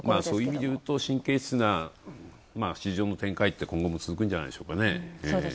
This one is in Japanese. そういう意味で言うと神経質な市場の展開っていうのが今後も続くんじゃないでしょうかね。